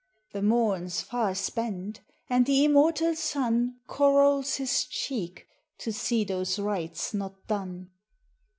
The Mom's farre spent ; and the immortall Sunne Corrols ┬« his cheeke, to see those Rites not done.